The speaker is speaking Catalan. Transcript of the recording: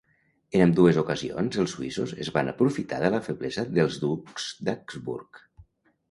En ambdues ocasions, els suïssos es van aprofitar de la feblesa dels ducs d'Habsburg.